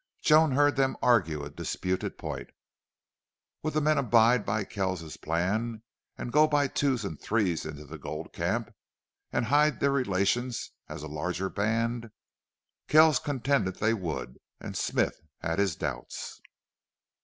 Joan heard them argue a disputed point would the men abide by Kells's plan and go by twos and threes into the gold camp, and hide their relations as a larger band? Kells contended they would and Smith had his doubts.